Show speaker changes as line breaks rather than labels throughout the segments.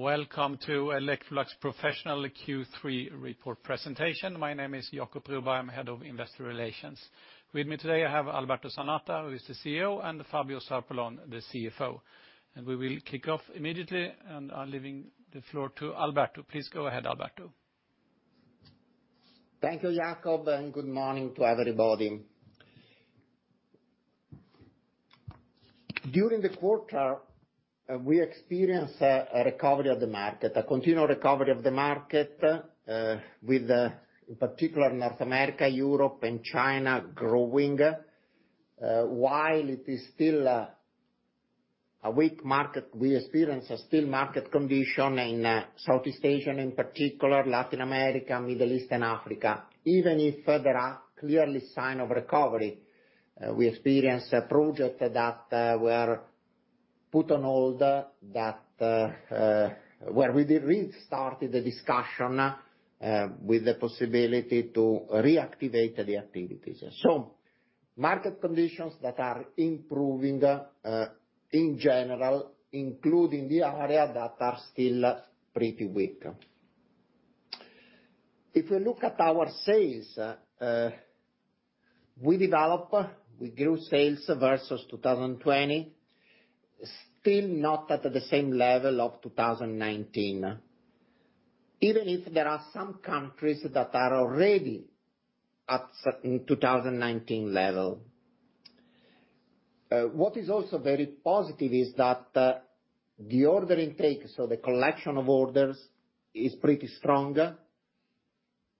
Welcome to Electrolux Professional Q3 report presentation. My name is Jacob Broberg. I'm Head of Investor Relations. With me today, I have Alberto Zanata, who is the CEO, and Fabio Zarpellon, the CFO. We will kick off immediately, and I'm leaving the floor to Alberto. Please go ahead, Alberto.
Thank you, Jacob, and good morning to everybody. During the quarter, we experienced a continual recovery of the market, with in particular North America, Europe and China growing. While it is still a weak market, we experienced still market conditions in Southeast Asia, in particular Latin America, Middle East and Africa. Even if there are clearly signs of recovery, we experienced projects that were put on hold that where we re-started the discussion with the possibility to reactivate the activities. Market conditions that are improving in general, including the areas that are still pretty weak. If you look at our sales, we grew sales versus 2020. Still not at the same level of 2019. Even if there are some countries that are already at certain 2019 level. What is also very positive is that the order intake, so the collection of orders, is pretty strong. It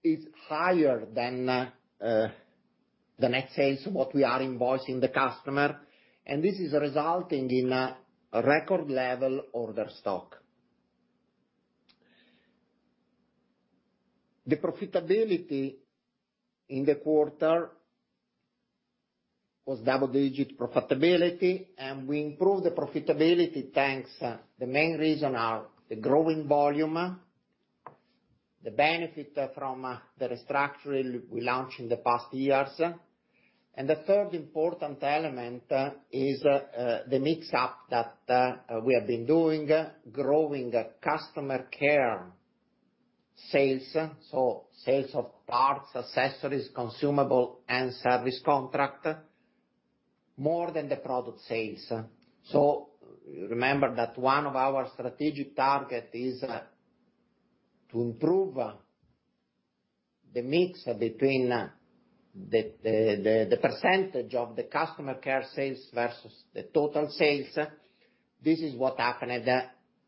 is higher than the net sales, what we are invoicing the customer. This is resulting in a record level order stock. The profitability in the quarter was double-digit profitability. We improved the profitability, thanks. The main reason are the growing volume, the benefit from the restructuring we launched in the past years. The third important element is the mix up that we have been doing, growing customer care sales. Sales of parts, accessories, consumable and service contract more than the product sales. Remember that one of our strategic target is to improve the mix between the percentage of the customer care sales versus the total sales. This is what happened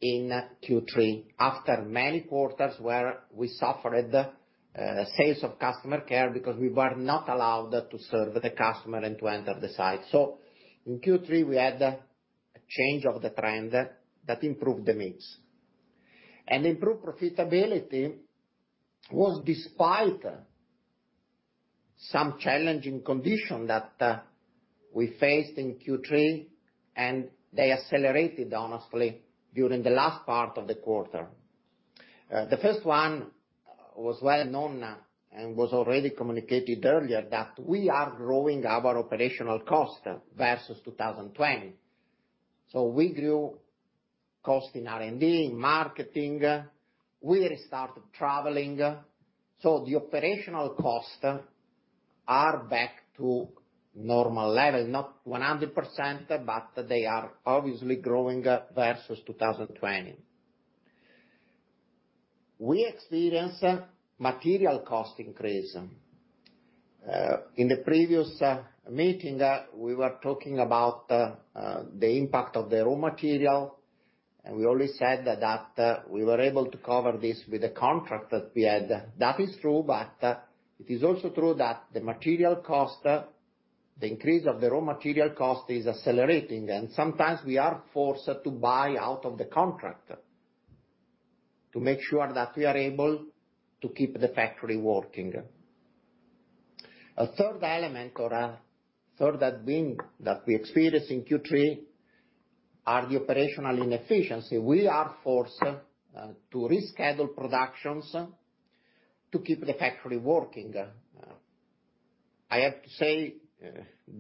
in Q3, after many quarters where we suffered sales of customer care because we were not allowed to serve the customer and to enter the site. In Q3, we had a change of the trend that improved the mix. Improved profitability was despite some challenging condition that we faced in Q3 and they accelerated honestly during the last part of the quarter. The first one was well known and was already communicated earlier, that we are growing our operational cost versus 2020. We grew cost in R&D, in marketing, we restarted traveling, so the operational costs are back to normal level, not 100%, but they are obviously growing versus 2020. We experience material cost increase. In the previous meeting, we were talking about the impact of the raw material, and we already said that we were able to cover this with the contract that we had. That is true, but it is also true that the material cost, the increase of the raw material cost is accelerating, and sometimes we are forced to buy out of the contract to make sure that we are able to keep the factory working. A third element or a third headwind that we experience in Q3 are the operational inefficiency. We are forced to reschedule productions to keep the factory working. I have to say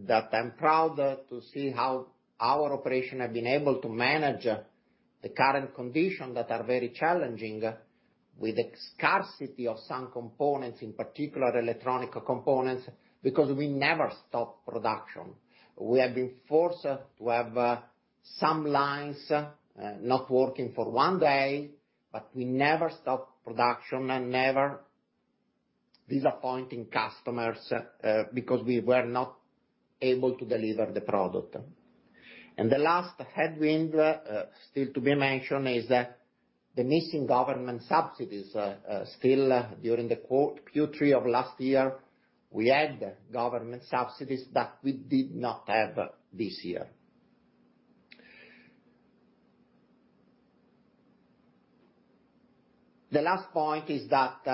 that I'm proud to see how our operation have been able to manage the current conditions that are very challenging with the scarcity of some components, in particular electronic components, because we never stop production. We have been forced to have some lines not working for one day, but we never stop production and never disappointing customers because we were not able to deliver the product. The last headwind still to be mentioned is that the missing government subsidies still during the Q3 of last year, we had government subsidies that we did not have this year. The last point is that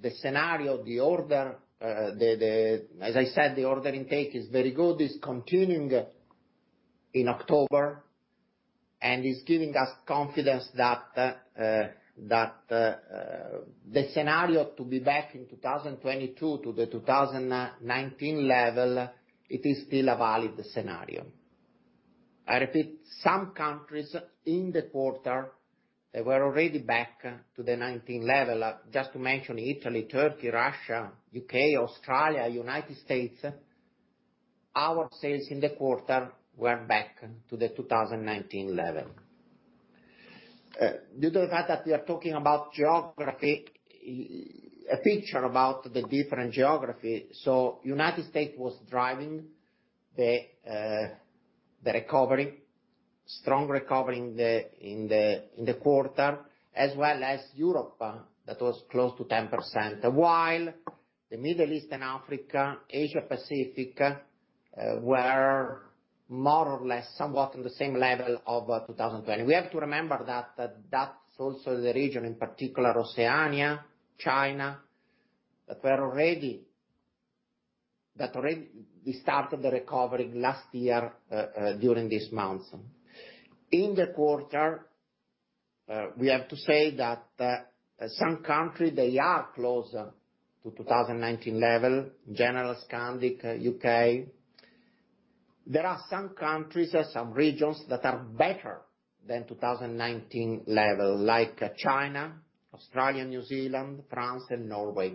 the scenario, the order, as I said, the order intake is very good, is continuing in October and is giving us confidence that the scenario to be back in 2022 to the 2019 level, it is still a valid scenario. I repeat, some countries in the quarter, they were already back to the 2019 level. Just to mention, Italy, Turkey, Russia, U.K., Australia, United States, our sales in the quarter were back to the 2019 level. Due to the fact that we are talking about geography, a picture about the different geography. The United States was driving the recovery, strong recovery in the quarter, as well as Europe that was close to 10%, while the Middle East and Africa, Asia Pacific were more or less somewhat at the same level as 2020. We have to remember that that's also the region, in particular Oceania, China, that were already. They started the recovery last year during these months. In the quarter, we have to say that some countries are closer to 2019 level, in general Scandinavia, U.K. There are some countries and some regions that are better than 2019 level, like China, Australia, New Zealand, France and Norway.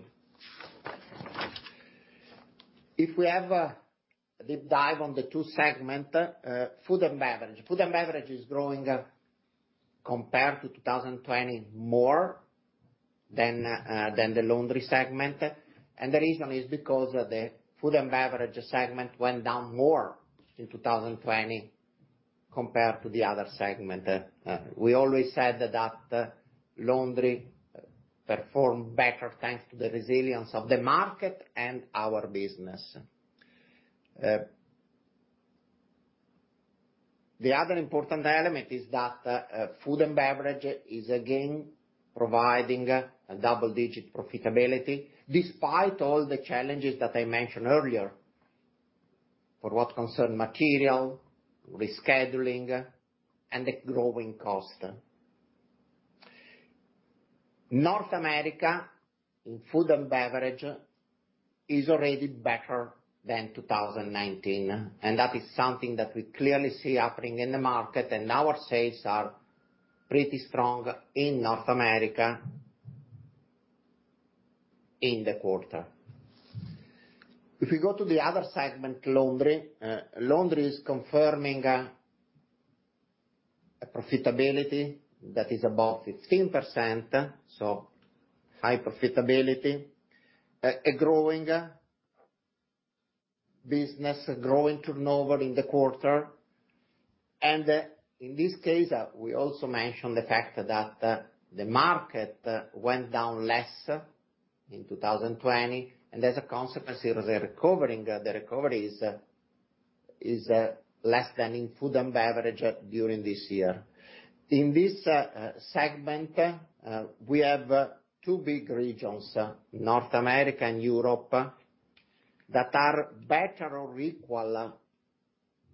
If we have a deep dive on the two segments, Food and Beverage. Food and Beverage is growing compared to 2020 more than the Laundry segment. The reason is because the Food and Beverage segment went down more in 2020 compared to the other segment. We always said that Laundry performs better, thanks to the resilience of the market and our business. The other important element is that Food and Beverage is again providing a double-digit profitability, despite all the challenges that I mentioned earlier, for what concerns material, rescheduling and the growing costs. North America, in Food and Beverage, is already better than 2019, and that is something that we clearly see happening in the market, and our sales are pretty strong in North America in the quarter. If you go to the other segment, Laundry. Laundry is confirming a profitability that is above 15%, so high profitability. A growing business, growing turnover in the quarter. In this case, we also mentioned the fact that the market went down less in 2020, and as a consequence, it was recovering. The recovery is less than in Food & Beverage during this year. In this segment, we have two big regions, North America and Europe, that are better or equal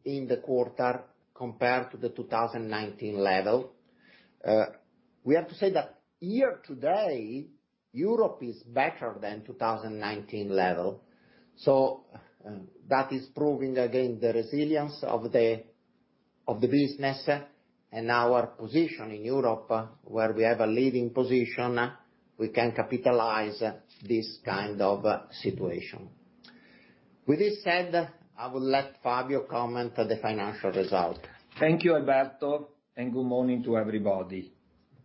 in the quarter compared to the 2019 level. We have to say that year to date, Europe is better than 2019 level. That is proving again the resilience of the business and our position in Europe, where we have a leading position. We can capitalize this kind of situation. With this said, I will let Fabio comment on the financial result.
Thank you, Alberto, and good morning to everybody.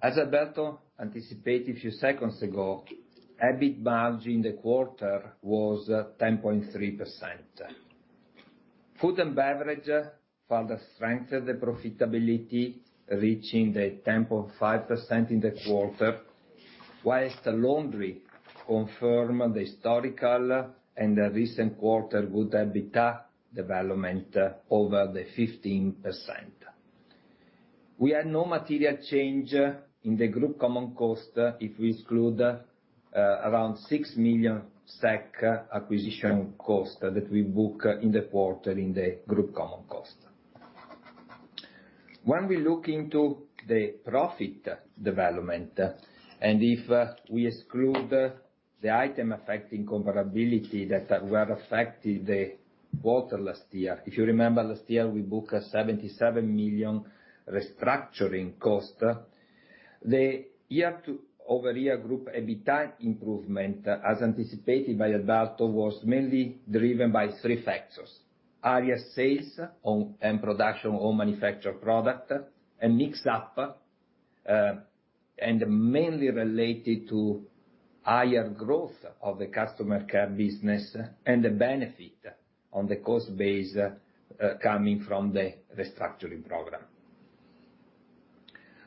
As Alberto anticipated a few seconds ago, EBIT margin in the quarter was 10.3%. Food and Beverage further strengthened the profitability, reaching the 10.5% in the quarter, while Laundry confirm the historical and the recent quarter good EBITDA development over the 15%. We had no material change in the group common cost if we exclude around 6 million SEK acquisition cost that we book in the quarter in the group common cost. When we look into the profit development, and if we exclude the item affecting comparability that affected the quarter last year, if you remember last year, we book a 77 million restructuring cost. The year-over-year group EBITDA improvement, as anticipated by Alberto, was mainly driven by three factors. Higher sales and production on manufactured product and mix, and mainly related to higher growth of the customer care business and the benefit on the cost base coming from the restructuring program.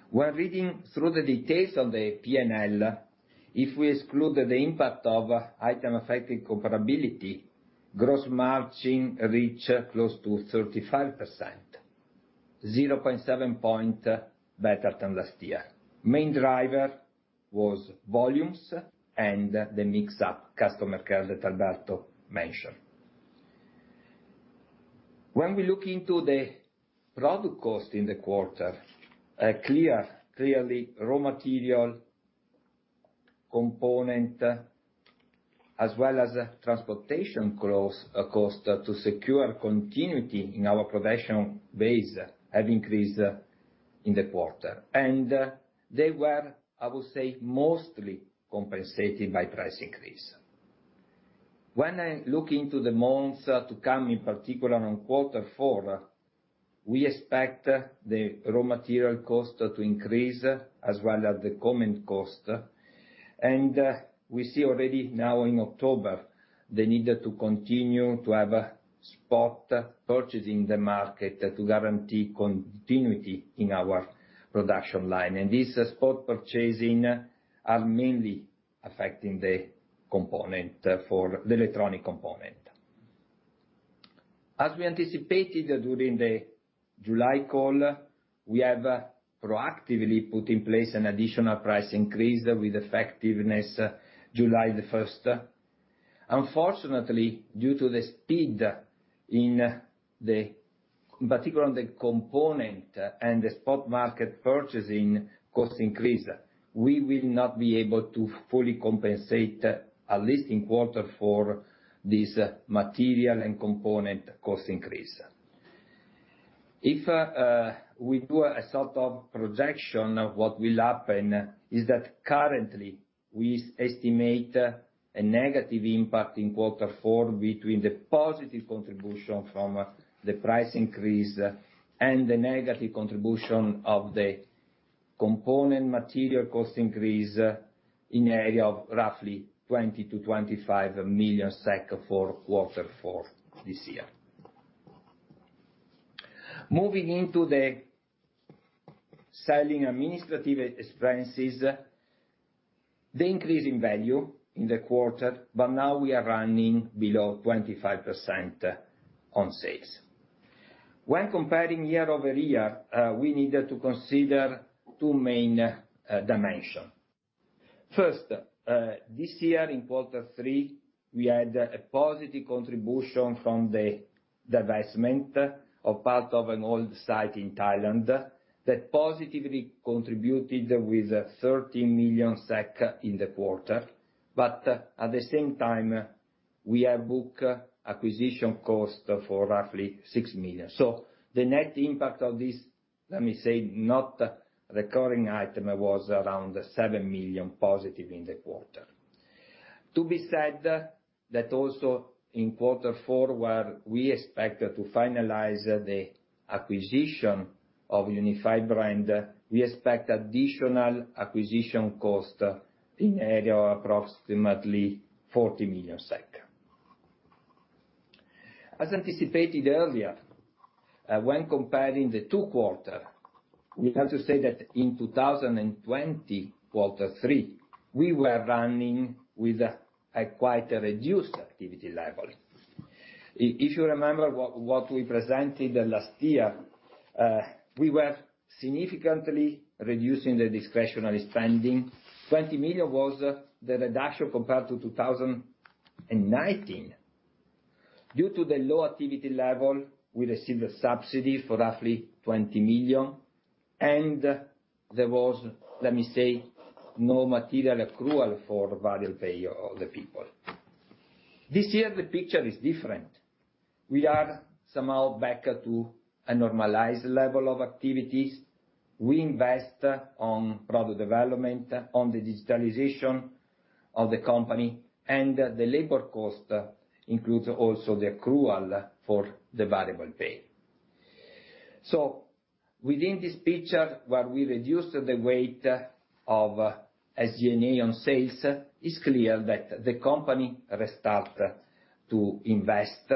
When reading through the details of the P&L, if we exclude the impact of item affecting comparability, gross margin reach close to 35%, 0.7 points better than last year. Main driver was volumes and the mix in customer care that Alberto mentioned. When we look into the product cost in the quarter, clearly raw material component as well as transportation cost to secure continuity in our production base have increased in the quarter. They were, I would say, mostly compensated by price increase. When I look into the months to come, in particular on quarter four, we expect the raw material cost to increase as well as the common cost. We see already now in October the need to continue to have spot purchasing in the market to guarantee continuity in our production line. This spot purchasing are mainly affecting the component for the electronic component. As we anticipated during the July call, we have proactively put in place an additional price increase with effectiveness July the first. Unfortunately, due to the speed, in particular, on the component and the spot market purchasing cost increase, we will not be able to fully compensate, at least in quarter four, this material and component cost increase. If we do a sort of projection, what will happen is that currently we estimate a negative impact in quarter four between the positive contribution from the price increase and the negative contribution of the component material cost increase in the area of roughly 20 million-25 million SEK for quarter four this year. Moving into the selling administrative expenses, they increase in value in the quarter, but now we are running below 25% on sales. When comparing year-over-year, we needed to consider two main dimension. First, this year in quarter three, we had a positive contribution from the divestment of part of an old site in Thailand that positively contributed with 13 million SEK in the quarter. At the same time, we have booked acquisition cost for roughly 6 million. The net impact of this, let me say, not recurring item, was around 7 million positive in the quarter. To be said that also in quarter four, where we expect to finalize the acquisition of Unified Brands, we expect additional acquisition cost in the area of approximately 40 million SEK. As anticipated earlier, when comparing the two quarters, we have to say that in 2020, quarter three, we were running with a quite reduced activity level. If you remember what we presented last year, we were significantly reducing the discretionary spending. 20 million was the reduction compared to 2019. Due to the low activity level, we received a subsidy for roughly 20 million, and there was, let me say, no material accrual for variable pay of the people. This year, the picture is different. We are somehow back to a normalized level of activities. We invest on product development, on the digitalization of the company, and the labor cost includes also the accrual for the variable pay. Within this picture, where we reduced the weight of SG&A on sales, it's clear that the company restarts to invest.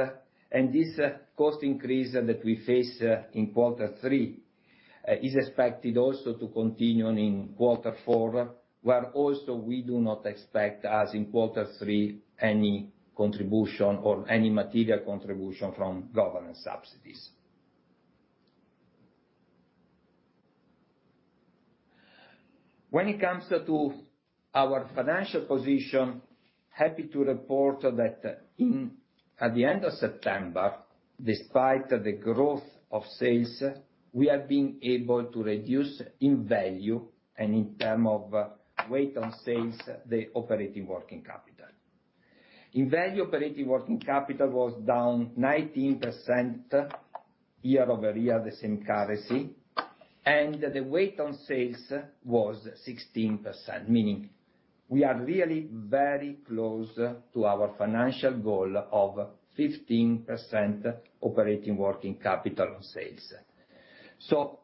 This cost increase that we face in quarter three is expected also to continue in quarter four, where also we do not expect, as in quarter three, any contribution or any material contribution from government subsidies. When it comes to our financial position, happy to report that at the end of September, despite the growth of sales, we have been able to reduce in value and in terms of weight on sales the operating working capital. In value, operating working capital was down 19% year-over-year, the same currency, and the weight on sales was 16%, meaning we are really very close to our financial goal of 15% operating working capital on sales.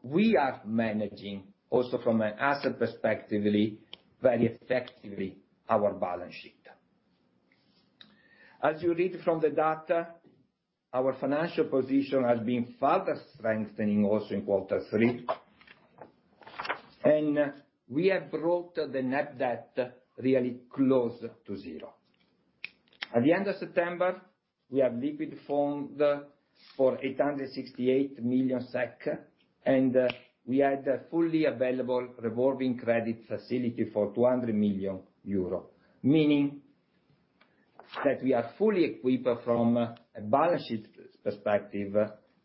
We are managing also from an asset perspective, very effectively our balance sheet. As you read from the data, our financial position has been further strengthening also in quarter three, and we have brought the net debt really close to zero. At the end of September, we have liquid funds of 868 million SEK, and we had a fully available revolving credit facility for 200 million euro. Meaning that we are fully equipped from a balance sheet perspective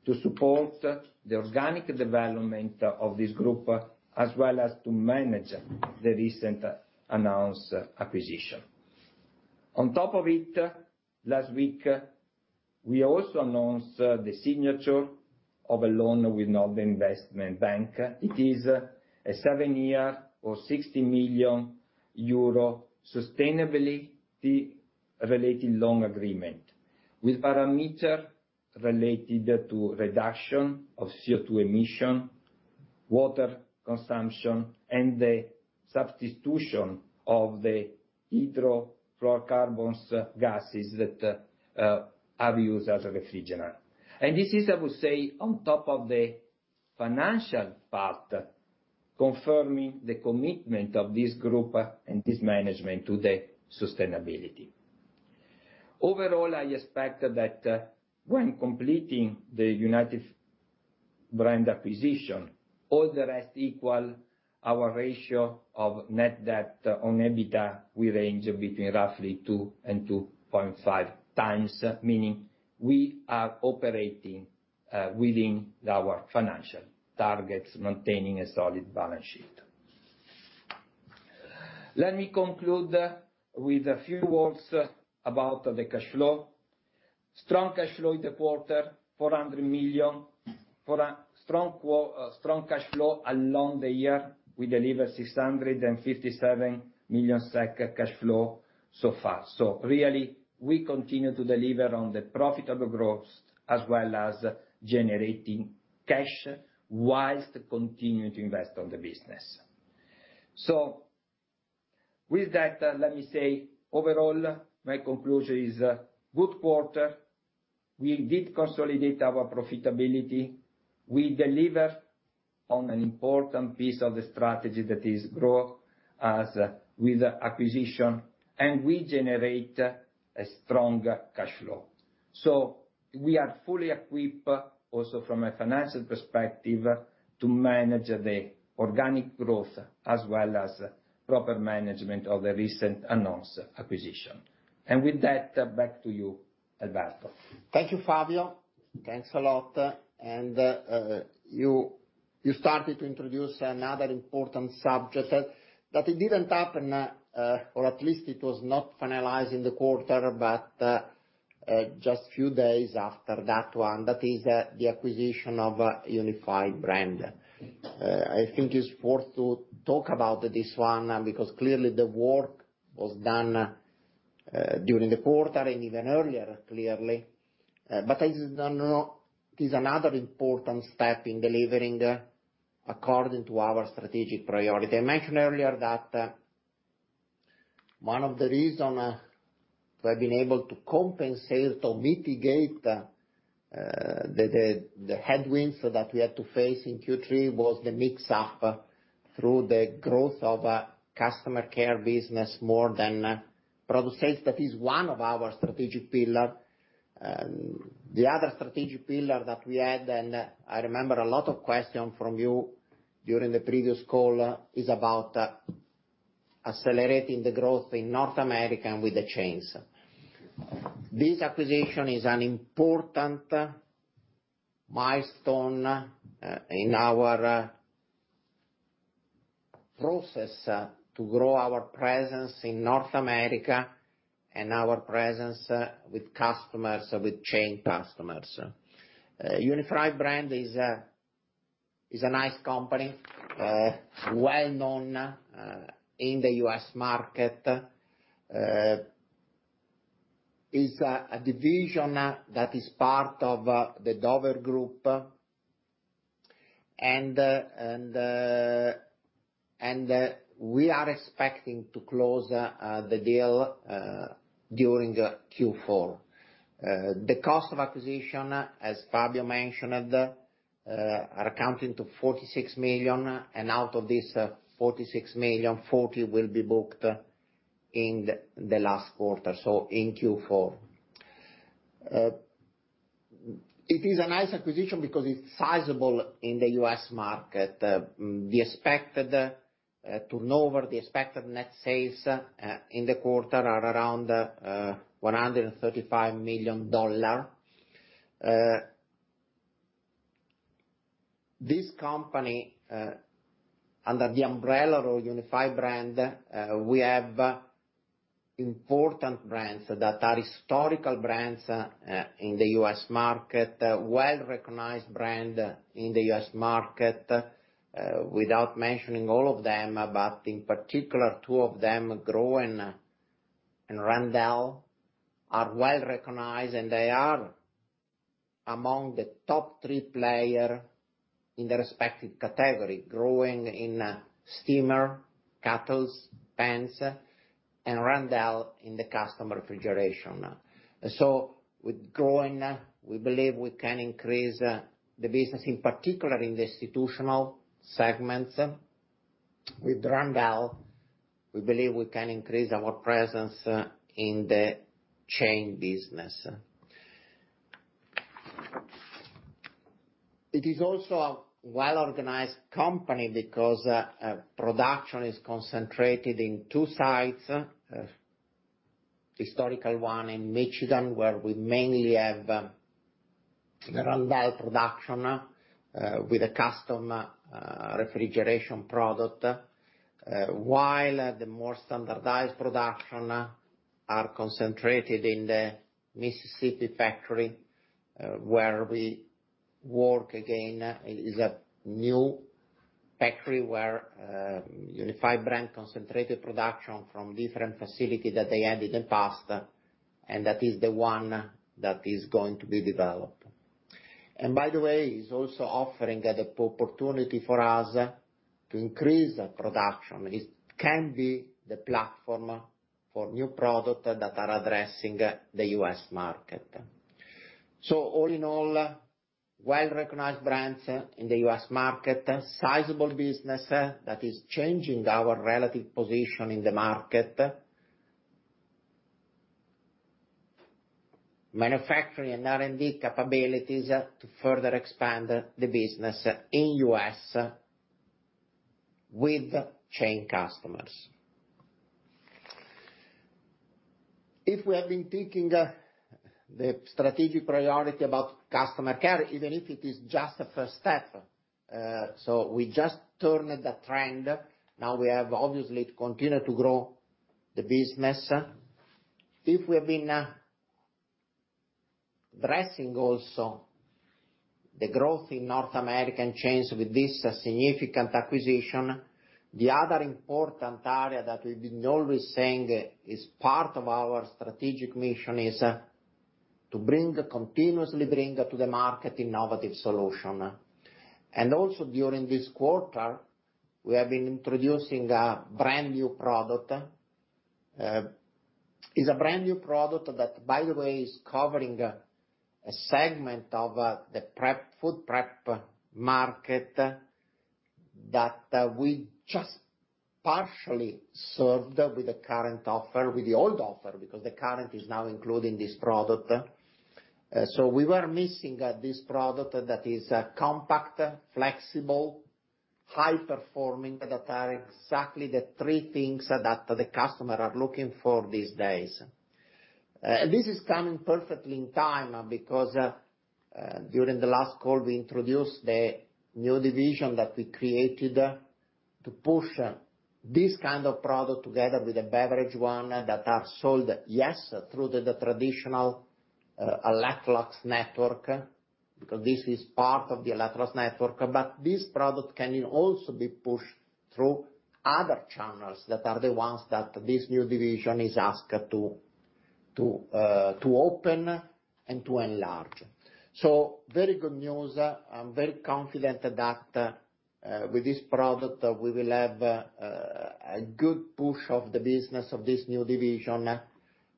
to support the organic development of this group, as well as to manage the recently announced acquisition. On top of it, last week, we also announced the signature of a loan with Nordic Investment Bank. It is a seven-year, 60 million euro sustainability related loan agreement with parameter related to reduction of CO2 emission, water consumption, and the substitution of the hydrofluorocarbons gases that are used as a refrigerant. This is, I would say, on top of the financial part, confirming the commitment of this group and this management to the sustainability. Overall, I expect that when completing the Unified Brands acquisition, all the rest equal our ratio of net debt on EBITDA will range between roughly two and 2.5 times. Meaning we are operating within our financial targets, maintaining a solid balance sheet. Let me conclude with a few words about the cash flow. Strong cash flow in the quarter, 400 million. For a strong cash flow along the year, we delivered 657 million SEK cash flow so far. Really we continue to deliver on the profitable growth as well as generating cash whilst continuing to invest on the business. With that, let me say overall, my conclusion is good quarter. We did consolidate our profitability. We delivered on an important piece of the strategy that is grow as with acquisition, and we generate a strong cash flow. We are fully equipped also from a financial perspective to manage the organic growth as well as proper management of the recent announced acquisition. With that, back to you, Alberto.
Thank you, Fabio. Thanks a lot. You started to introduce another important subject that it didn't happen, or at least it was not finalized in the quarter, but just few days after that one. That is the acquisition of Unified Brands. I think it's worth to talk about this one, because clearly the work was done during the quarter and even earlier, clearly. It is another important step in delivering according to our strategic priority. I mentioned earlier that one of the reason we have been able to compensate or mitigate the headwinds that we had to face in Q3 was the mix up through the growth of customer care business more than product sales. That is one of our strategic pillar. The other strategic pillar that we had, and I remember a lot of questions from you during the previous call, is about accelerating the growth in North America and with the chains. This acquisition is an important milestone in our process to grow our presence in North America and our presence with customers, with chain customers. Unified Brands is a nice company, well known in the U.S. market, a division that is part of the Dover Corporation. We are expecting to close the deal during Q4. The cost of acquisition, as Fabio mentioned, amounts to 46 million, and out of this 46 million, 40 million will be booked in the last quarter, so in Q4. It is a nice acquisition because it's sizable in the U.S. market. The expected net sales in the quarter are around $135 million. This company under the umbrella of Unified Brands we have important brands that are historical brands in the U.S. market, well-recognized brand in the U.S. market without mentioning all of them, but in particular two of them, Groen and Randell, are well-recognized, and they are among the top three player in the respective category. Groen in steamer, kettles, pans, and Randell in the custom refrigeration. With Groen, we believe we can increase the business, in particular in the institutional segments. With Randell, we believe we can increase our presence in the chain business. It is also a well-organized company because production is concentrated in two sites. Historical one in Michigan, where we mainly have the Randell production with a custom refrigeration product. While the more standardized production are concentrated in the Mississippi factory, where we work again is a new factory where Unified Brands concentrated production from different facility that they had in the past, and that is the one that is going to be developed. By the way, is also offering the opportunity for us to increase production. It can be the platform for new product that are addressing the U.S. market. All in all, well-recognized brands in the U.S. market, sizable business that is changing our relative position in the market. Manufacturing and R&D capabilities to further expand the business in U.S. with chain customers. If we have been thinking the strategic priority about customer care, even if it is just a first step, so we just turned the trend. Now we have obviously to continue to grow the business. If we have been addressing also the growth in North American chains with this significant acquisition, the other important area that we've been always saying is part of our strategic mission is to continuously bring to the market innovative solution. Also during this quarter, we have been introducing a brand-new product that, by the way, is covering a segment of the food prep market that we just partially served with the current offer, with the old offer, because the current is now including this product. We were missing this product that is compact, flexible, high performing, that are exactly the three things that the customer are looking for these days. This is coming perfectly in time because during the last call, we introduced the new division that we created to push this kind of product together with a beverage one that are sold, yes, through the traditional Electrolux network, because this is part of the Electrolux network. But this product can also be pushed through other channels that are the ones that this new division is asked to open and to enlarge. Very good news. I'm very confident that with this product, we will have a good push of the business of this new division,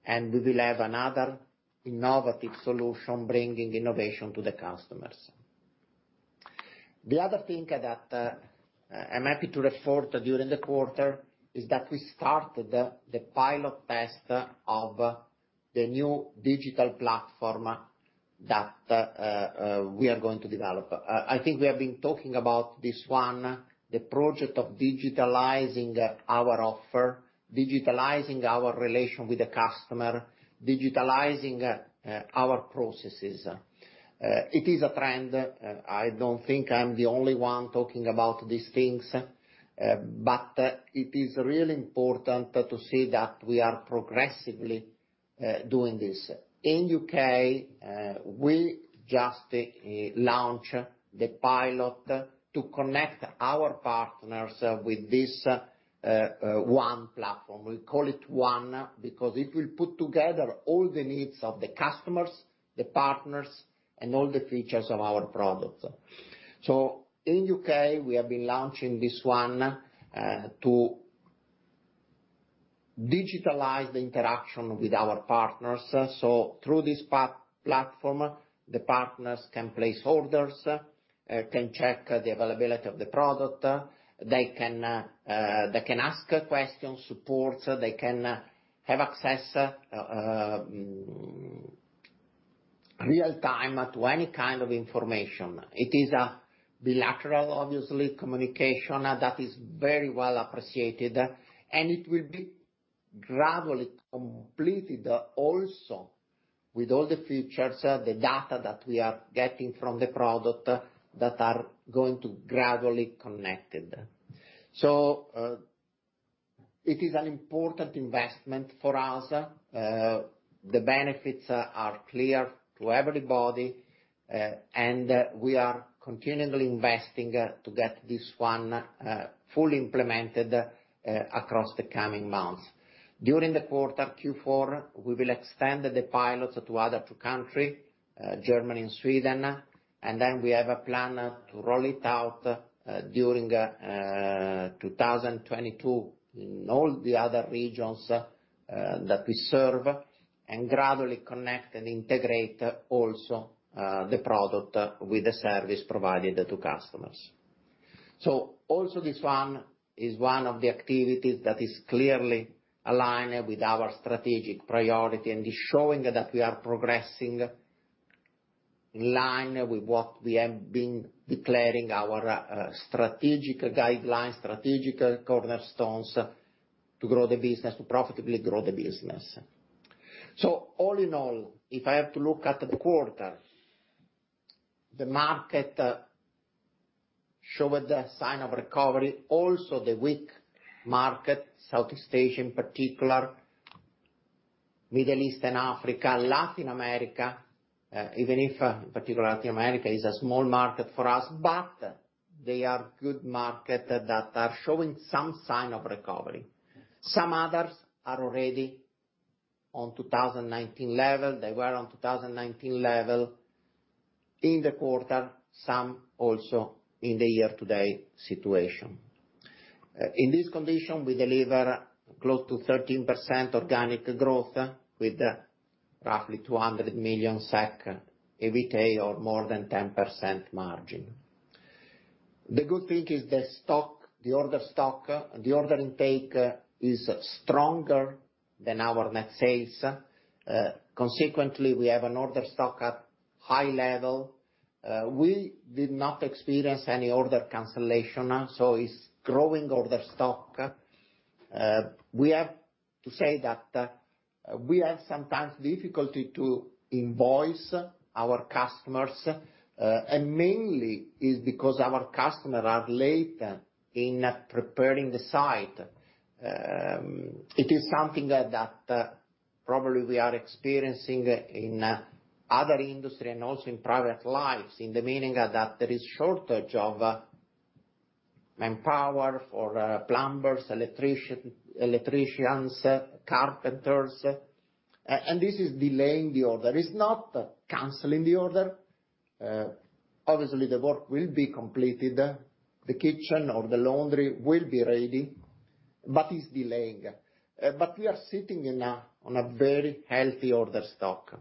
and we will have another innovative solution bringing innovation to the customers. The other thing that I'm happy to report during the quarter is that we started the pilot test of the new digital platform that we are going to develop. I think we have been talking about this one, the project of digitalizing our offer, digitalizing our relation with the customer, digitalizing our processes. It is a trend. I don't think I'm the only one talking about these things, but it is really important to say that we are progressively doing this. In U.K., we just launched the pilot to connect our partners with this OnE platform. We call it OnE because it will put together all the needs of the customers, the partners, and all the features of our products. In U.K., we have been launching this OnE to digitalize the interaction with our partners. Through this partner platform, the partners can place orders, can check the availability of the product. They can ask questions, support. They can have access, real-time to any kind of information. It is a bilateral, obviously, communication that is very well appreciated, and it will be gradually completed also with all the features, the data that we are getting from the product that are going to gradually connected. It is an important investment for us. The benefits are clear to everybody, and we are continually investing to get this one fully implemented across the coming months. During the quarter, Q4, we will extend the pilots to other two countries, Germany and Sweden, and then we have a plan to roll it out during 2022 in all the other regions that we serve and gradually connect and integrate also the product with the service provided to customers. Also this one is one of the activities that is clearly aligned with our strategic priority, and is showing that we are progressing in line with what we have been declaring our strategic guidelines, strategic cornerstones to grow the business, to profitably grow the business. All in all, if I have to look at the quarter, the market showed a sign of recovery, also the weak market, Southeast Asia in particular, Middle East and Africa, Latin America, even if particular Latin America is a small market for us, but they are good market that are showing some sign of recovery. Some others are already on 2019 level. They were on 2019 level in the quarter, some also in the year-to-date situation. In this condition, we deliver close to 13% organic growth, with roughly 200 million SEK EBITDA or more than 10% margin. The good thing is the stock, the order stock, the order intake is stronger than our net sales. Consequently, we have an order stock at high level. We did not experience any order cancellation, so it's growing order stock. We have to say that we have sometimes difficulty to invoice our customers, and mainly is because our customers are late in preparing the site. It is something that probably we are experiencing in other industry and also in private lives, in the meaning that there is shortage of manpower for plumbers, electricians, carpenters, and this is delaying the order. It's not canceling the order. Obviously the work will be completed. The kitchen or the laundry will be ready, but is delaying. We are sitting on a very healthy order stock.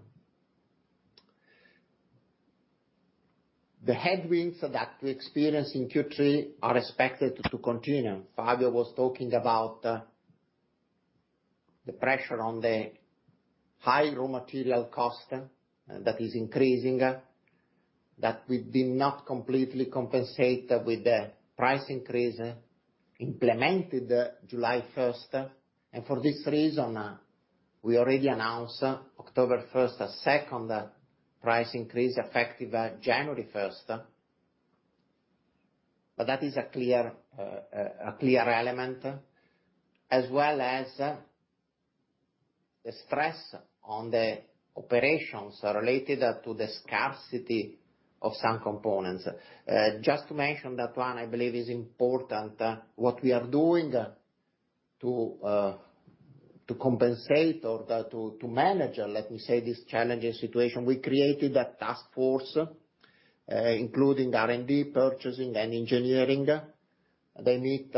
The headwinds that we experienced in Q3 are expected to continue. Fabio was talking about the pressure on the high raw material cost that is increasing, that we've been not completely compensate with the price increase implemented July first. For this reason, we already announced October first a second price increase effective January first. That is a clear element, as well as the stress on the operations related to the scarcity of some components. Just to mention that one I believe is important, what we are doing to compensate or to manage, let me say, this challenging situation, we created a task force, including R&D, purchasing, and engineering. They meet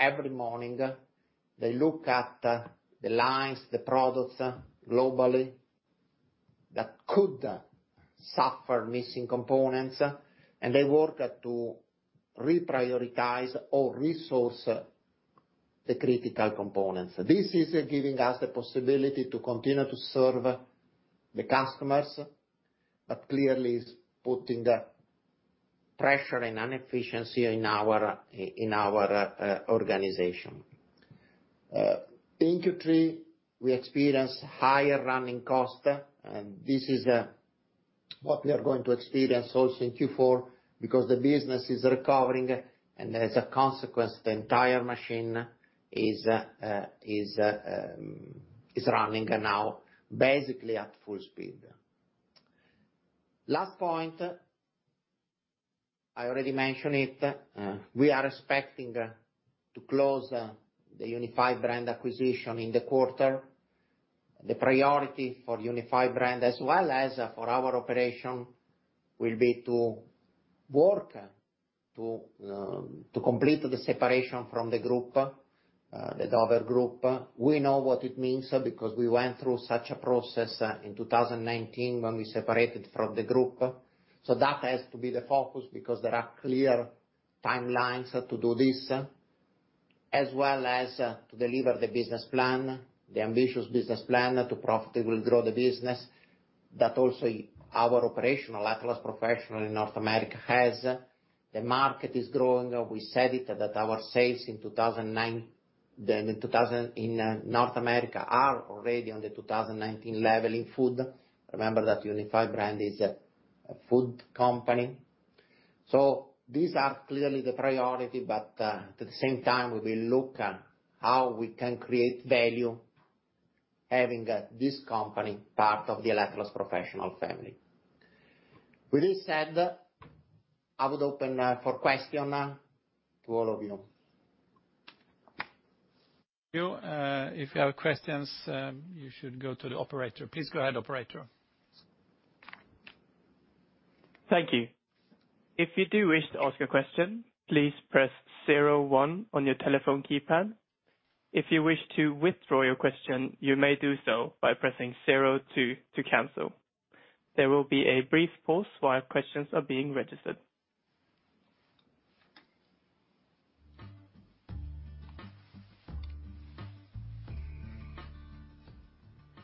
every morning. They look at the lines, the products globally that could suffer missing components, and they work to reprioritize or resource the critical components. This is giving us the possibility to continue to serve the customers, but clearly is putting pressure and inefficiency in our organization. In Q3, we experienced higher running costs, and this is what we are going to experience also in Q4 because the business is recovering, and as a consequence, the entire machine is running now basically at full speed. Last point, I already mentioned it, we are expecting to close the Unified Brands acquisition in the quarter. The priority for Unified Brands as well as for our operation will be to work to complete the separation from the group, the Dover Corporation. We know what it means because we went through such a process in 2019 when we separated from the group. That has to be the focus because there are clear timelines to do this, as well as to deliver the business plan, the ambitious business plan to profitably grow the business. That also our operations of Electrolux Professional in North America has. The market is growing. We said that our sales in North America are already on the 2019 level in food. Remember that Unified Brands is a food company. So these are clearly the priority, but at the same time, we will look at how we can create value having this company part of the Electrolux Professional family. With this said, I would open for questions to all of you.
If you have questions, you should go to the operator. Please go ahead, operator.
Thank you. If you do wish to ask a question, please press zero one on your telephone keypad. If you wish to withdraw your question, you may do so by pressing zero two to cancel. There will be a brief pause while questions are being registered.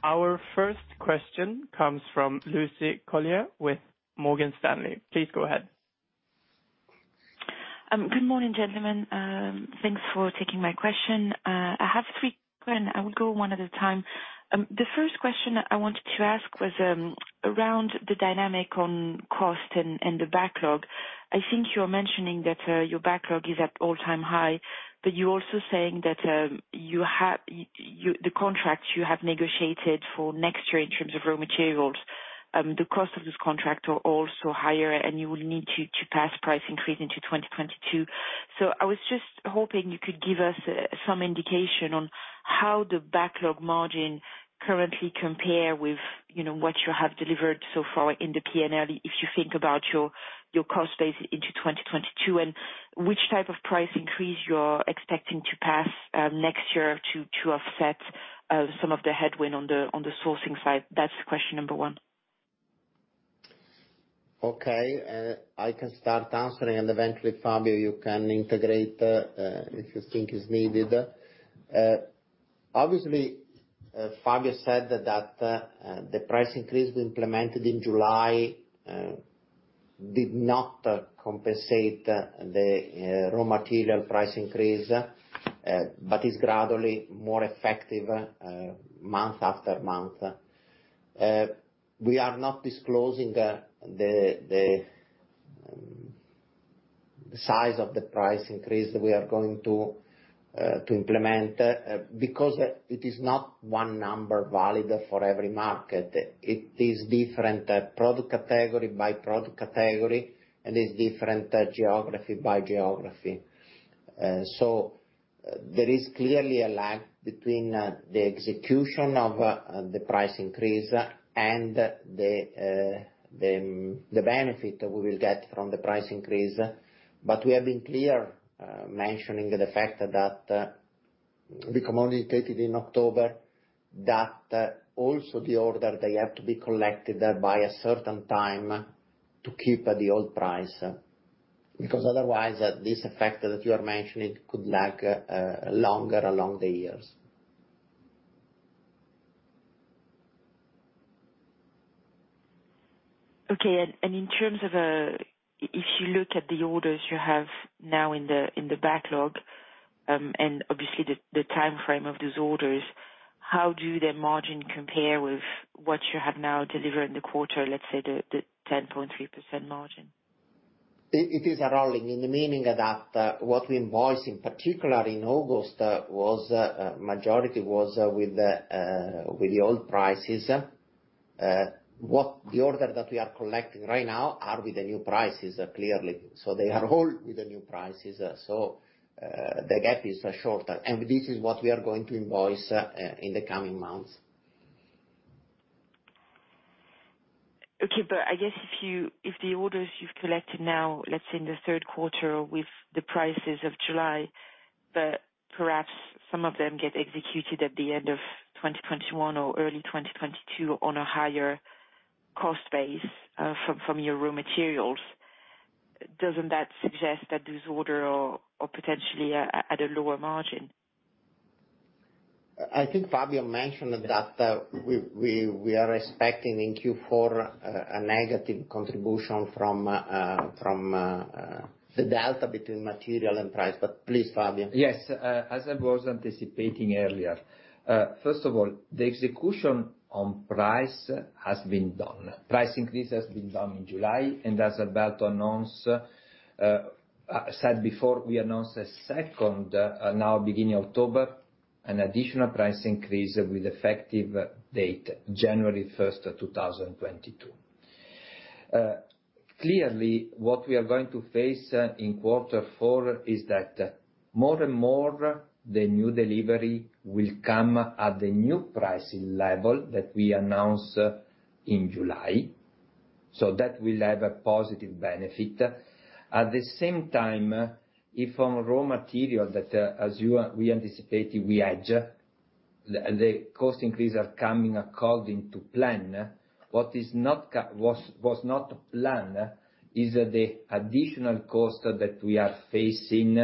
Our first question comes from Lucie Carrier with Morgan Stanley. Please go ahead.
Good morning, gentlemen. Thanks for taking my question. I have three, and I will go one at a time. The first question I wanted to ask was around the dynamic on cost and the backlog. I think you're mentioning that your backlog is at all-time high, but you're also saying that you have the contracts you have negotiated for next year in terms of raw materials, the cost of this contract are also higher, and you will need to pass price increase into 2022. I was just hoping you could give us some indication on how the backlog margin currently compare with, you know, what you have delivered so far in the P&L, if you think about your cost base into 2022, and which type of price increase you're expecting to pass next year to offset some of the headwind on the sourcing side? That's question number one.
Okay. I can start answering, and eventually, Fabio, you can integrate if you think it's needed. Obviously, Fabio said that the price increase implemented in July did not compensate the raw material price increase, but it's gradually more effective month after month. We are not disclosing the size of the price increase that we are going to implement because it is not one number valid for every market. It is different product category by product category and is different geography by geography. So there is clearly a lag between the execution of the price increase and the benefit that we will get from the price increase. We have been clear, mentioning the fact that we communicated in October that also the order, they have to be collected by a certain time to keep the old price. Because otherwise, this effect that you are mentioning could lag longer along the years.
Okay. In terms of, if you look at the orders you have now in the backlog, and obviously the timeframe of those orders, how do their margin compare with what you have now delivered in the quarter, let's say the 10.3% margin?
It is rolling in the sense that what we invoice, in particular in August, was majority with the old prices. What the orders that we are collecting right now are with the new prices, clearly. They are all with the new prices. The gap is shorter. This is what we are going to invoice in the coming months.
Okay. I guess if the orders you've collected now, let's say in the third quarter with the prices of July, but perhaps some of them get executed at the end of 2021 or early 2022 on a higher cost base, from your raw materials, doesn't that suggest that this order are potentially at a lower margin?
I think Fabio mentioned that, we are expecting in Q4 a negative contribution from the delta between material and price. Please, Fabio.
Yes. As I was anticipating earlier, first of all, the execution on price has been done. Price increase has been done in July, and as Alberto announced, said before, we announced a second, now beginning October, an additional price increase with effective date January first, two thousand twenty-two. Clearly, what we are going to face in quarter four is that more and more the new delivery will come at the new pricing level that we announced in July, so that will have a positive benefit. At the same time, inflation on raw material that, as we anticipated, we hedge, the cost increase are coming according to plan. What's not planned is the additional cost that we are facing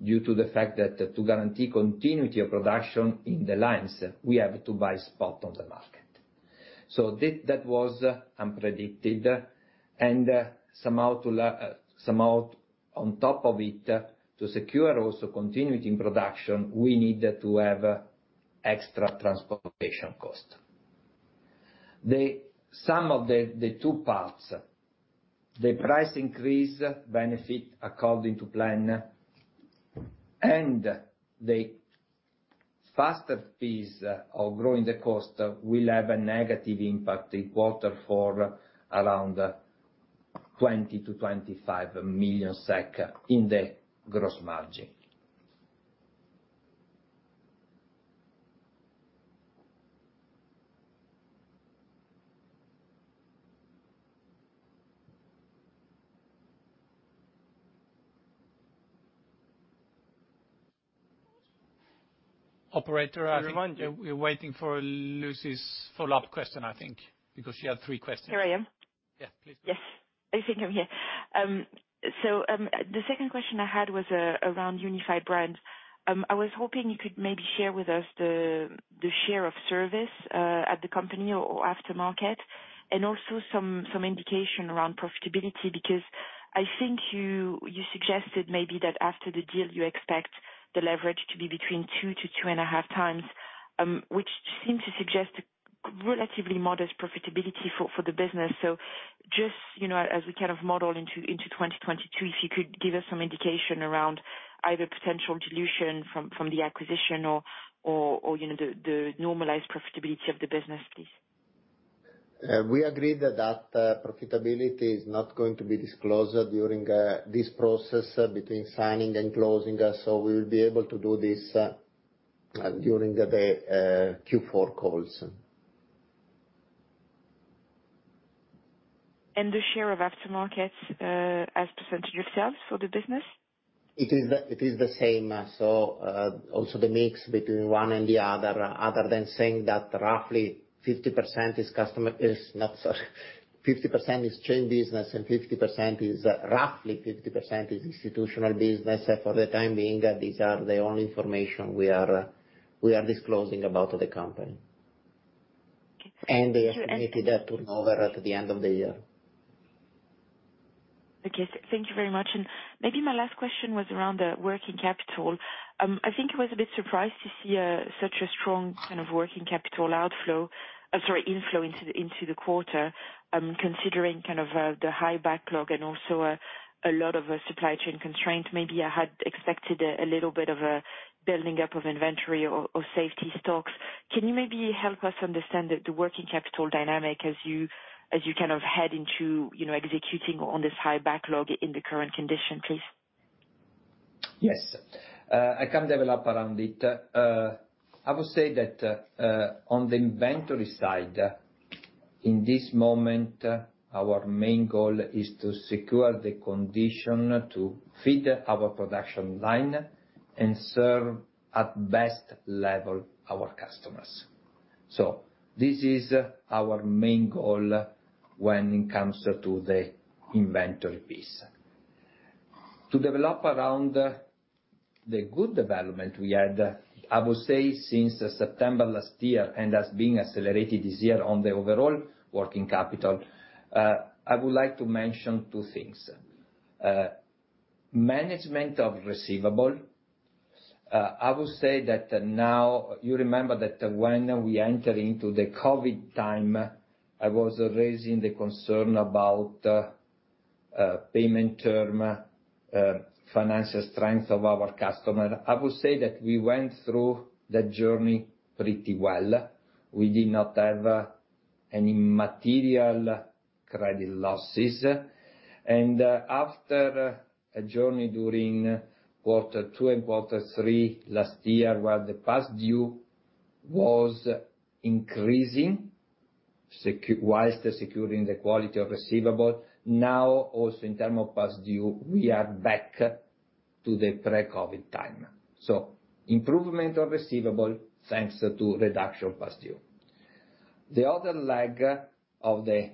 due to the fact that to guarantee continuity of production in the lines, we have to buy spot on the market. That was unpredicted. Somehow on top of it, to secure also continuity in production, we needed to have extra transportation cost. The sum of the two parts, the price increase benefit according to plan and the faster pace of growing the cost will have a negative impact in quarter four, around 20 million-25 million SEK in the gross margin.
Operator, I think we're waiting for Lucie's follow-up question, I think, because she had three questions.
Here I am.
Yeah. Please go.
Yes. I think I'm here. So, the second question I had was around Unified Brands. I was hoping you could maybe share with us the share of service at the company or aftermarket. And also some indication around profitability, because I think you suggested maybe that after the deal you expect the leverage to be between 2-2.5 times, which seems to suggest relatively modest profitability for the business. Just, you know, as we kind of model into 2022, if you could give us some indication around either potential dilution from the acquisition or, you know, the normalized profitability of the business, please.
We agreed that profitability is not going to be disclosed during this process between signing and closing. We will be able to do this during the Q4 calls.
The share of aftermarket as % of sales for the business?
It is the same. Also the mix between one and the other than saying that 50% is chain business and roughly 50% is institutional business. For the time being, these are the only information we are disclosing about the company.
Thank you.
The estimated turnover at the end of the year.
Okay. Thank you very much. Maybe my last question was around the working capital. I think I was a bit surprised to see such a strong kind of working capital outflow, sorry, inflow into the quarter, considering kind of the high backlog and also a lot of supply chain constraints. Maybe I had expected a little bit of a building up of inventory or safety stocks. Can you maybe help us understand the working capital dynamic as you kind of head into, you know, executing on this high backlog in the current condition, please?
Yes. I can develop around it. I would say that on the inventory side, in this moment, our main goal is to secure the condition to feed our production line and serve at best level our customers. This is our main goal when it comes to the inventory piece. To develop around the good development we had, I would say since September last year, and that's being accelerated this year on the overall working capital, I would like to mention two things. Receivables management. I would say that now you remember that when we enter into the COVID time, I was raising the concern about payment term, financial strength of our customer. I would say that we went through that journey pretty well. We did not have any material credit losses. After a journey during quarter two and quarter three last year, where the past due was increasing while securing the quality of receivable, now also in term of past due, we are back to the pre-COVID time. Improvement of receivable thanks to reduction past due. The other leg of the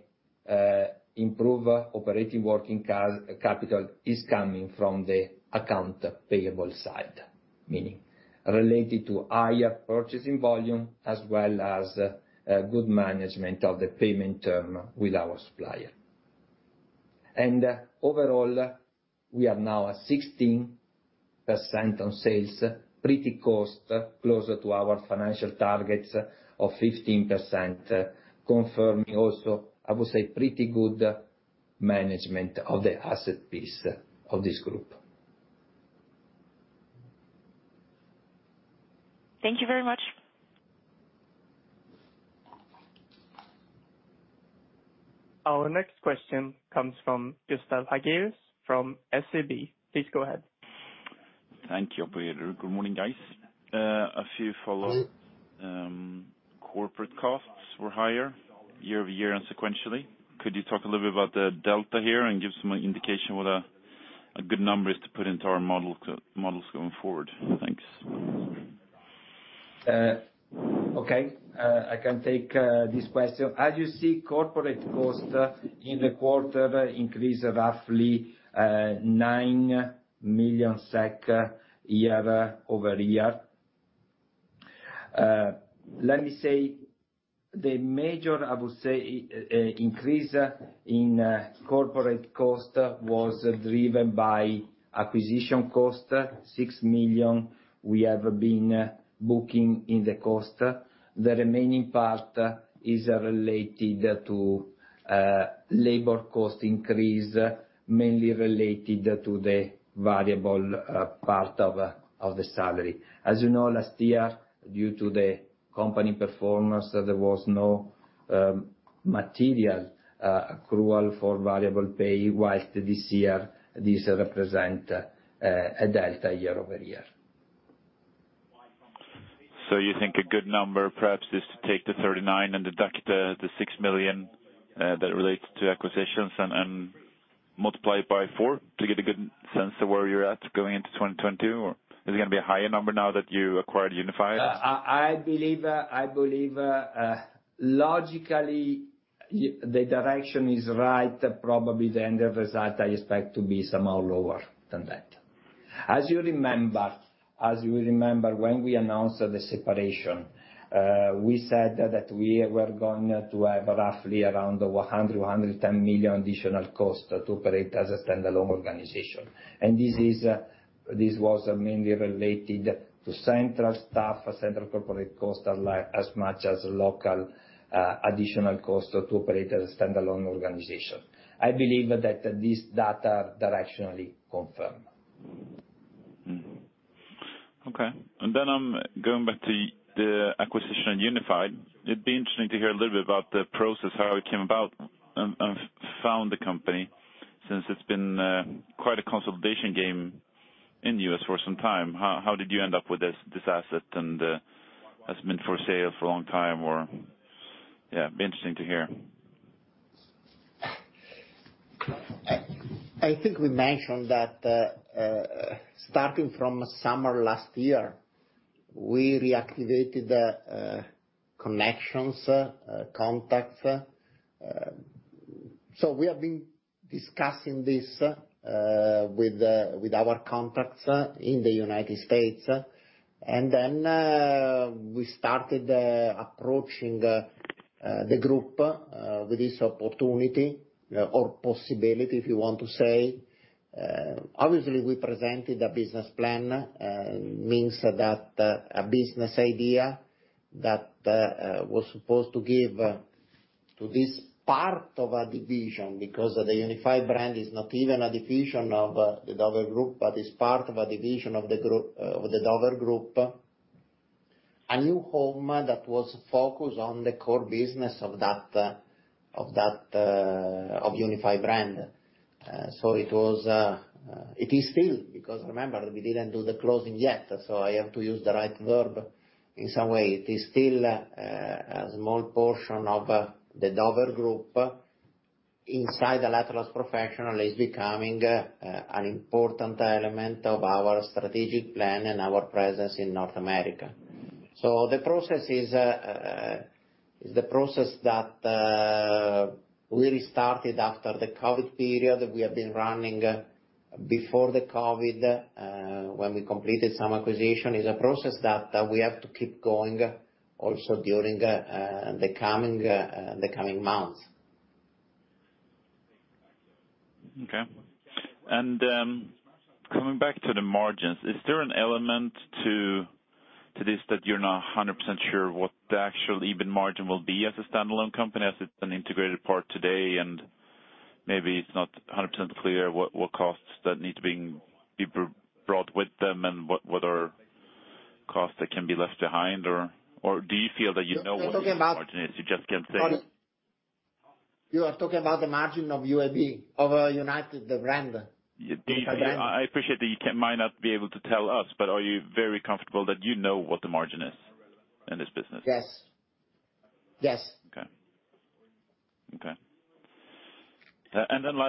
improved operating working capital is coming from the account payable side, meaning related to higher purchasing volume as well as good management of the payment term with our supplier. Overall, we are now at 16% on sales, pretty close to our financial targets of 15%, confirming also, I would say, pretty good management of the asset base of this group.
Thank you very much.
Our next question comes from Gustav Hagéus from SEB. Please go ahead.
Thank you. Good morning, guys. Corporate costs were higher year-over-year and sequentially. Could you talk a little bit about the delta here and give some indication what a good number is to put into our models going forward? Thanks.
Okay. I can take this question. As you see, corporate costs in the quarter increased roughly 9 million SEK year-over-year. Let me say the major, I would say, increase in corporate cost was driven by acquisition cost, 6 million SEK we have been booking in the cost. The remaining part is related to labor cost increase, mainly related to the variable part of the salary. As you know, last year, due to the company performance, there was no material accrual for variable pay, while this year this represent a delta year-over-year.
You think a good number perhaps is to take the 39 million and deduct the 6 million that relates to acquisitions and multiply it by four to get a good sense of where you're at going into 2022? Or is it gonna be a higher number now that you acquired Unified Brands?
I believe logically the direction is right. Probably the end result I expect to be somehow lower than that. As you remember, when we announced the separation, we said that we were going to have roughly around 110 million additional cost to operate as a standalone organization. This was mainly related to central staff, central corporate cost, like as much as local additional cost to operate as a standalone organization. I believe that this data directionally confirm.
Mm-hmm. Okay. Then I'm going back to the acquisition of Unified Brands. It'd be interesting to hear a little bit about the process, how it came about and found the company, since it's been quite a consolidation game in the U.S. for some time. How did you end up with this asset and has it been for sale for a long time? Or yeah, be interesting to hear.
I think we mentioned that starting from summer last year, we reactivated connections, contacts. We have been discussing this with our contacts in the United States. We started approaching the group with this opportunity or possibility, if you want to say. Obviously, we presented a business plan, meaning that a business idea that was supposed to give to this part of a division, because the Unified Brands is not even a division of the Dover Corporation, but is part of a division of the Group of the Dover Corporation, a new home that was focused on the core business of that of Unified Brands. It is still, because remember, we didn't do the closing yet, so I have to use the right verb. In some way, it is still a small portion of the Dover Corporation inside the Electrolux Professional is becoming an important element of our strategic plan and our presence in North America. The process is the process that really started after the COVID period, that we have been running before the COVID, when we completed some acquisition, is a process that we have to keep going also during the coming months.
Okay. Coming back to the margins, is there an element to this that you're not 100% sure what the actual EBIT margin will be as a standalone company, as it's an integrated part today, and maybe it's not 100% clear what costs that need to be brought with them and what are costs that can be left behind? Or do you feel that you know what the margin is, you just can't say?
You are talking about the margin of Unified Brands, the brand?
I appreciate that you might not be able to tell us, but are you very comfortable that you know what the margin is in this business?
Yes. Yes.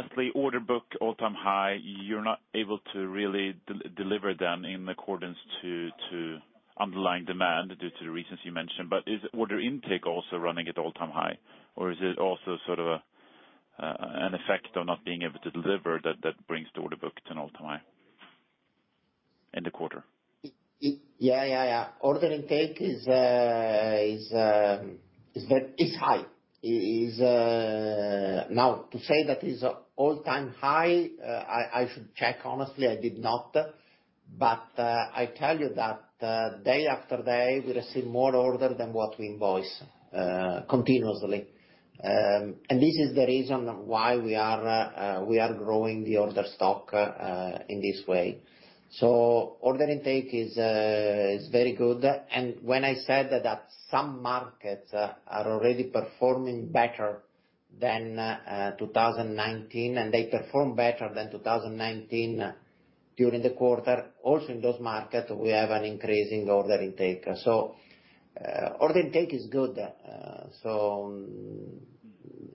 Okay, order book all-time high. You're not able to really deliver them in accordance to underlying demand due to the reasons you mentioned. Is order intake also running at all-time high? Or is it also sort of an effect of not being able to deliver that that brings the order book to an all-time high in the quarter?
Yeah. Order intake is high. Now, to say that it's all-time high, I should check. Honestly, I did not. I tell you that day after day, we receive more order than what we invoice continuously. This is the reason why we are growing the order stock in this way. Order intake is very good. When I said that some markets are already performing better than 2019, and they perform better than 2019 during the quarter, also in those markets, we have an increasing order intake. Order intake is good.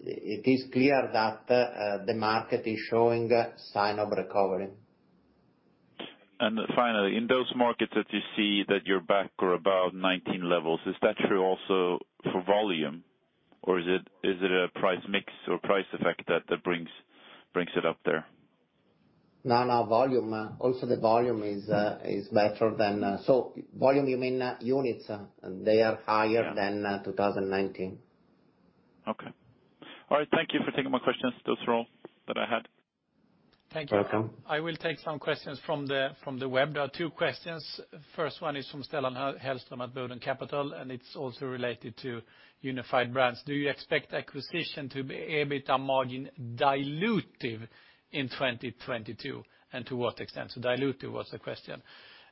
It is clear that the market is showing sign of recovery.
Finally, in those markets that you see that you're back or above 19 levels, is that true also for volume? Or is it a price mix or price effect that brings it up there?
No, no volume. Also, the volume is better than. So, volume, you mean units? They are higher than 2019.
Okay. All right, thank you for taking my questions. Those are all that I had.
Thank you.
Welcome.
I will take some questions from the web. There are two questions. First one is from Stellan Hellström at Boden Capital, and it's also related to Unified Brands. Do you expect acquisition to be EBITDA margin dilutive in 2022, and to what extent? So dilutive was the question.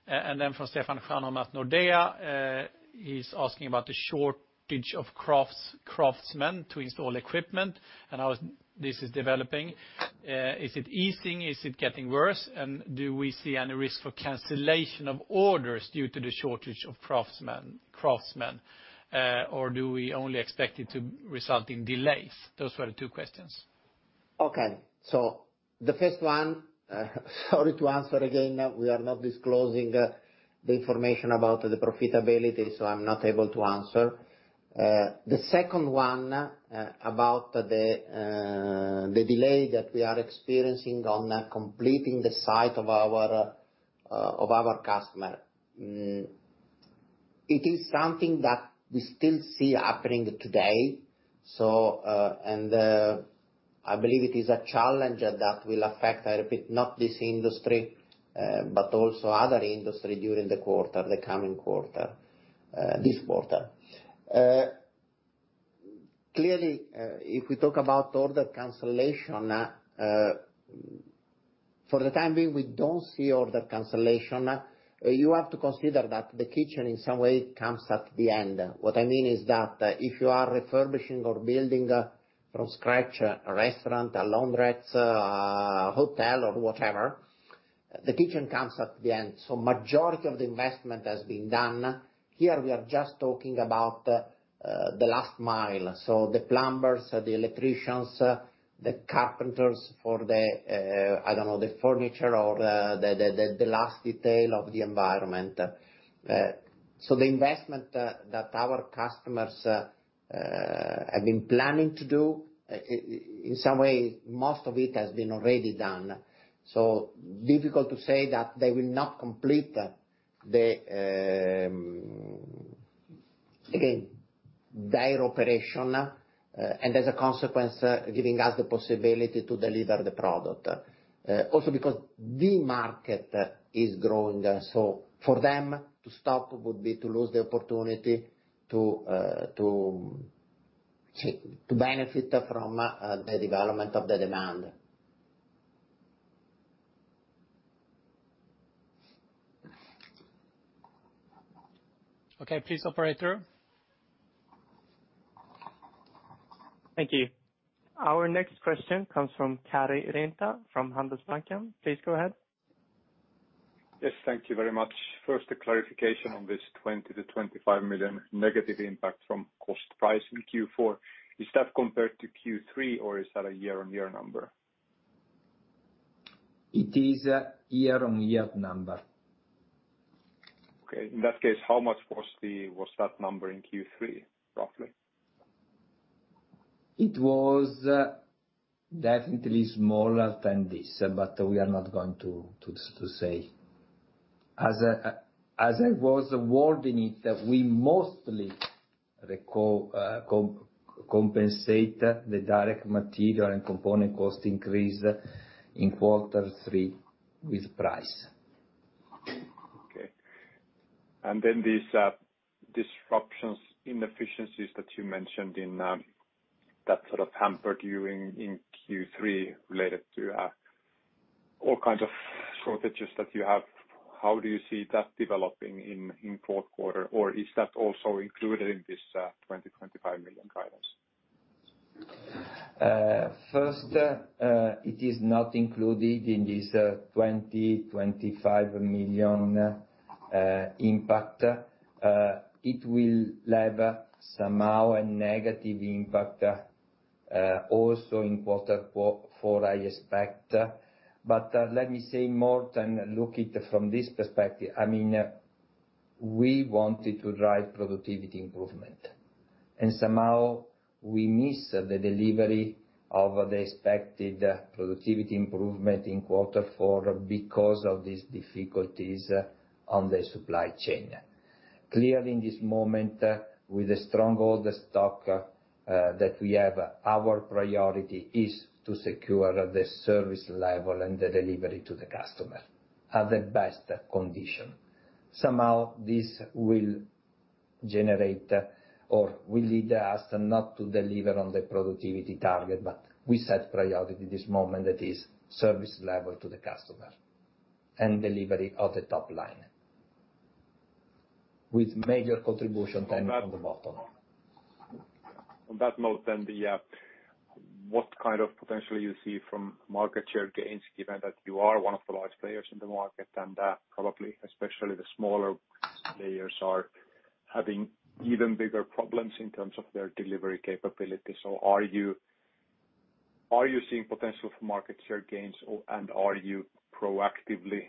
And then from Stefan Stjernholm at Nordea, he's asking about the shortage of craftsmen to install equipment and how this is developing. Is it easing? Is it getting worse? And do we see any risk for cancellation of orders due to the shortage of craftsmen? Or do we only expect it to result in delays? Those were the two questions.
Okay. The first one, sorry to answer again. We are not disclosing the information about the profitability, so I'm not able to answer. The second one, about the delay that we are experiencing on completing the site of our customer. It is something that we still see happening today. I believe it is a challenge that will affect, I repeat, not this industry, but also other industry during the quarter, the coming quarter, this quarter. Clearly, if we talk about order cancellation, for the time being, we don't see order cancellation. You have to consider that the kitchen, in some way, comes at the end. What I mean is that if you are refurbishing or building from scratch a restaurant, a laundrette, a hotel or whatever, the kitchen comes at the end. Majority of the investment has been done. Here we are just talking about the last mile, so the plumbers, the electricians, the carpenters for the, I don't know, the furniture or the last detail of the environment. The investment that our customers have been planning to do, in some way, most of it has been already done. Difficult to say that they will not complete their operation, and as a consequence, giving us the possibility to deliver the product. Also because the market is growing, so for them to stop would be to lose the opportunity to benefit from the development of the demand.
Okay. Please, operator.
Thank you. Our next question comes from Karri Rinta from Handelsbanken. Please go ahead.
Yes, thank you very much. First, a clarification on this 20 million-25 million negative impact from cost price in Q4. Is that compared to Q3 or is that a year-on-year number?
It is a year-over-year number.
Okay. In that case, how much was that number in Q3, roughly?
It was definitely smaller than this, but we are not going to say. As I was wording it, we mostly compensate the direct material and component cost increase in quarter three with price.
Okay. These disruptions, inefficiencies that you mentioned in that sort of hampered you in Q3 related to all kinds of shortages that you have. How do you see that developing in fourth quarter? Is that also included in this 25 million guidance?
First, it is not included in this 25 million impact. It will have somehow a negative impact also in quarter four, I expect. Let me say more than look at it from this perspective. I mean, we wanted to drive productivity improvement, and somehow we miss the delivery of the expected productivity improvement in quarter four because of these difficulties in the supply chain. Clearly, in this moment, with the strong stockholding that we have, our priority is to secure the service level and the delivery to the customer in the best condition. Somehow this will generate or will lead us not to deliver on the productivity target. We set priority at this moment that is service level to the customer and delivery of the top line. With major contribution coming from the bottom.
On that note, what kind of potential you see from market share gains, given that you are one of the large players in the market and probably especially the smaller players are having even bigger problems in terms of their delivery capability. Are you seeing potential for market share gains or are you proactively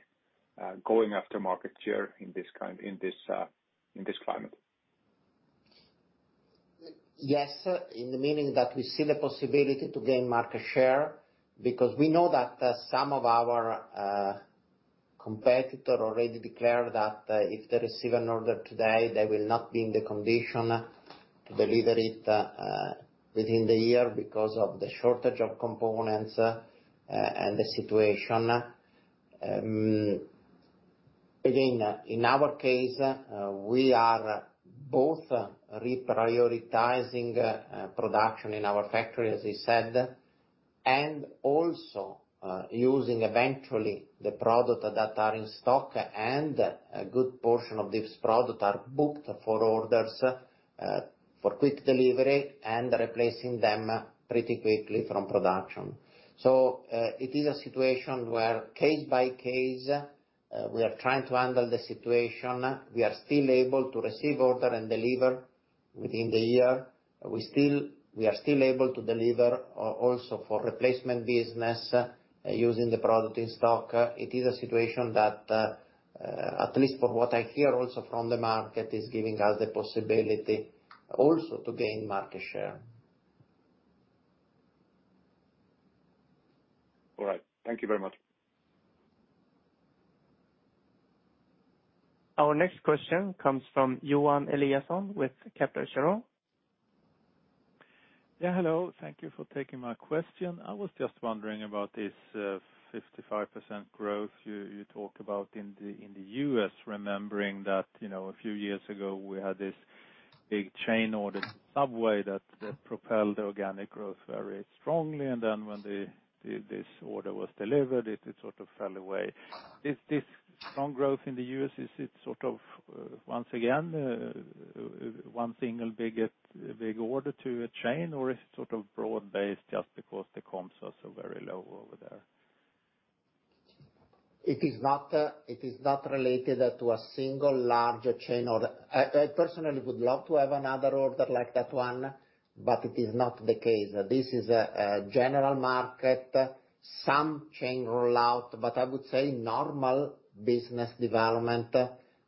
going after market share in this climate?
Yes, in the meaning that we see the possibility to gain market share because we know that some of our competitor already declared that if they receive an order today, they will not be in the condition to deliver it within the year because of the shortage of components and the situation. Again, in our case, we are both reprioritizing production in our factory, as I said, and also using eventually the product that are in stock. A good portion of this product are booked for orders for quick delivery and replacing them pretty quickly from production. It is a situation where case by case we are trying to handle the situation. We are still able to receive orders and deliver within the year. We are still able to deliver also for replacement business using the product in stock. It is a situation that, at least for what I hear also from the market, is giving us the possibility also to gain market share.
All right. Thank you very much.
Our next question comes from Johan Eliason with Kepler Cheuvreux.
Yeah, hello. Thank you for taking my question. I was just wondering about this 55% growth you talk about in the U.S., remembering that, you know, a few years ago we had this big chain order Subway that propelled organic growth very strongly. Then when this order was delivered, it sort of fell away. Is this strong growth in the U.S. sort of once again one single big order to a chain, or is it sort of broad-based just because the comps are so very low over there?
It is not related to a single larger chain order. I personally would love to have another order like that one, but it is not the case. This is a general market, some chain rollout, but I would say normal business development,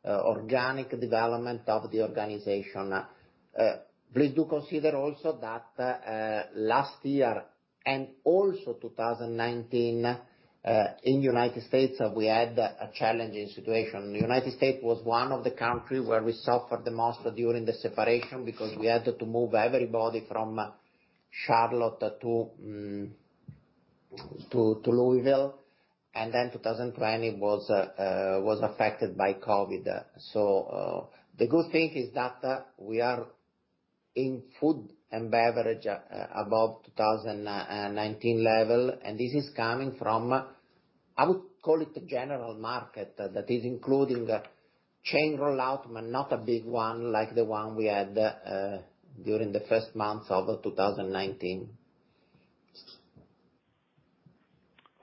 organic development of the organization. Please do consider also that last year and also 2019 in United States, we had a challenging situation. United States was one of the country where we suffered the most during the separation because we had to move everybody from Charlotte to Louisville. 2020 was affected by COVID. The good thing is that we are in Food & Beverage above 2019 level, and this is coming from, I would call it the general market that is including chain rollout, but not a big one like the one we had during the first months of 2019.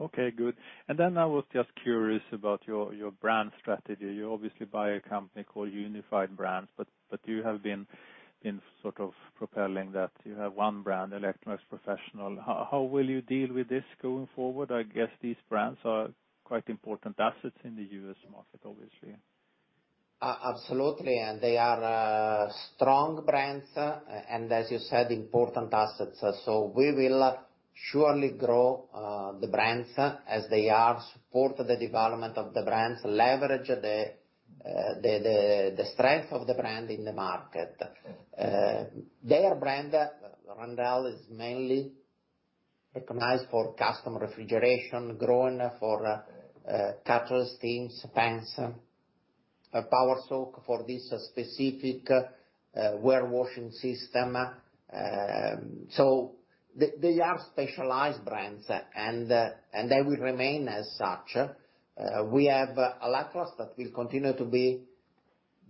Okay, good. I was just curious about your brand strategy. You obviously buy a company called Unified Brands, but you have been in sort of proclaiming that you have one brand, Electrolux Professional. How will you deal with this going forward? I guess these brands are quite important assets in the U.S. market, obviously.
Absolutely, they are strong brands, and as you said, important assets. We will surely grow the brands as they are, support the development of the brands, leverage the strength of the brand in the market. Their brand, Randell, is mainly recognized for custom refrigeration, Groen for kettles, steamers, pans, Power Soak for this specific warewashing system. They are specialized brands, and they will remain as such. We have Electrolux that will continue to be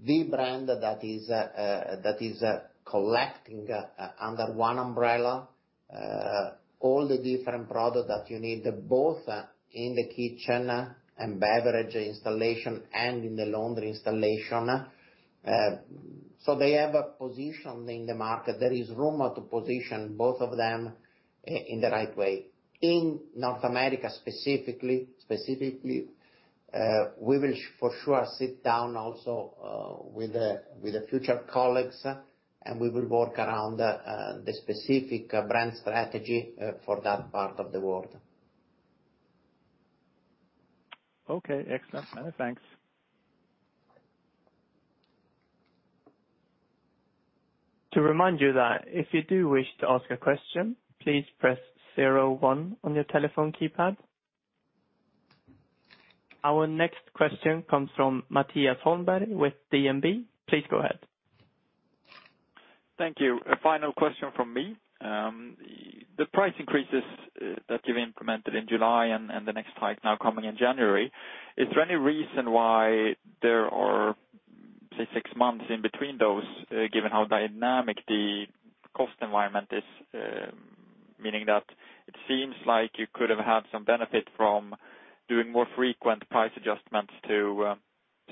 the brand that is collecting under one umbrella all the different products that you need, both in the kitchen and beverage installation and in the laundry installation. They have a position in the market. There is room to position both of them in the right way. In North America, specifically, we will for sure sit down also with the future colleagues, and we will work around the specific brand strategy for that part of the world.
Okay. Excellent. Thanks.
To remind you that if you do wish to ask a question, please press zero one on your telephone keypad. Our next question comes from Mattias Holmberg with DNB. Please go ahead.
Thank you. A final question from me. The price increases that you've implemented in July and the next hike now coming in January, is there any reason why there are, say, six months in between those, given how dynamic the cost environment is? Meaning that it seems like you could have had some benefit from doing more frequent price adjustments to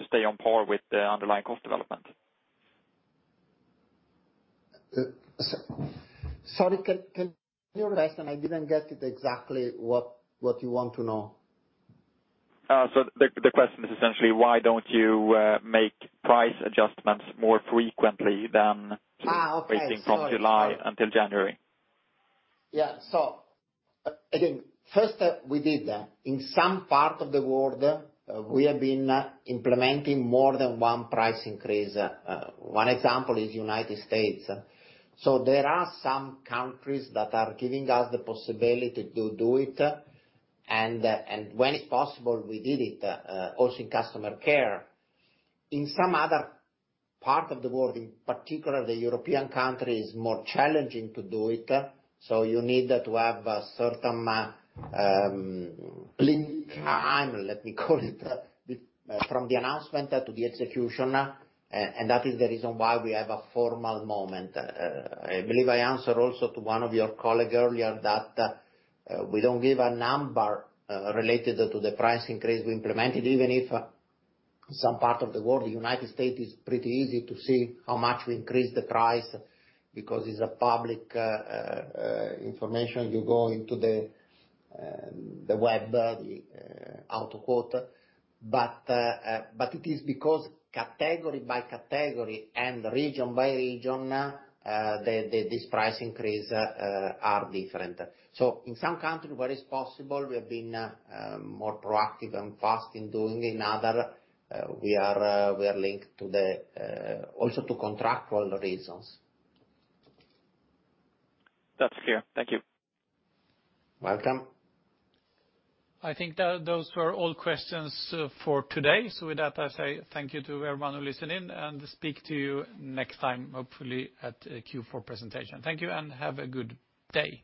stay on par with the underlying cost development.
Sorry. Can you rephrase? I didn't get it exactly what you want to know.
The question is essentially why don't you make price adjustments more frequently than-
Okay. Sorry.
Waiting from July until January?
Yeah. Again, first, we did. In some part of the world, we have been implementing more than one price increase. One example is United States. There are some countries that are giving us the possibility to do it, and when it's possible, we did it, also in customer care. In some other part of the world, in particular the European country, is more challenging to do it. You need to have a certain lead time, let me call it, from the announcement to the execution, and that is the reason why we have a formal moment. I believe I answered also to one of your colleague earlier that we don't give a number related to the price increase we implemented. Even if some part of the world, the United States is pretty easy to see how much we increased the price because it's a public information. You go into the web, the AutoQuotes. It is because category by category and region by region, this price increase are different. In some countries where it's possible, we have been more proactive and fast in doing. In other, we are linked also to contractual reasons.
That's clear. Thank you.
Welcome.
I think those were all questions for today. With that, I say thank you to everyone who listened in and speak to you next time, hopefully at Q4 presentation. Thank you and have a good day.